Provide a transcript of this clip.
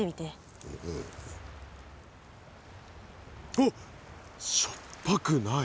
おっしょっぱくない！